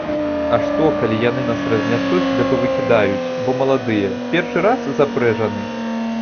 А што, калі яны нас разнясуць ды павыкідаюць, бо маладыя, першы раз запрэжаны?